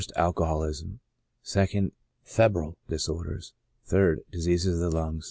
Alcoholism. 2d. Febrile disorders. 3d. Diseases of the lungs.